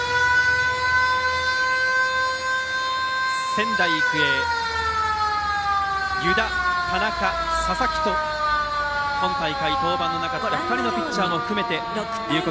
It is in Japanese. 仙台育英湯田、田中、佐々木と今大会、登板のなかった２人のピッチャーを含めて龍谷